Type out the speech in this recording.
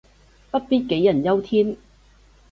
不必杞人憂天